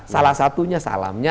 salah satunya salamnya